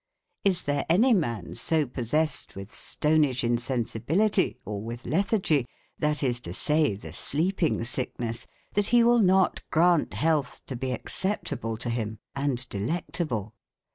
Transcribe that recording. Is there anye man so possessed with stonishe insensibilitie, or with le thargie, that is to say, the slcpingsick nes, that he will not graunt healthe to be acceptable to him, and delectable